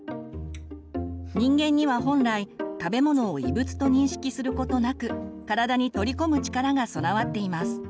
人間には本来食べ物を異物と認識することなく体に取り込む力が備わっています。